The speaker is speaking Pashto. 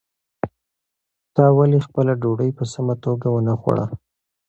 تا ولې خپله ډوډۍ په سمه توګه ونه خوړه؟